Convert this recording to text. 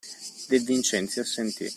De Vincenzi assentì.